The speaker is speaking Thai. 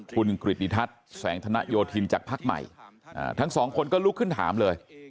คุณกริติทัศน์แสงธนโยธินจากภักดิ์ใหม่ทั้งสองคนก็ลุกขึ้นถามเลย